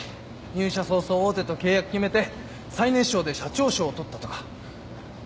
入社早々大手と契約決めて最年少で社長賞を取ったとか。